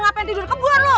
ngapain tidur di kebun lo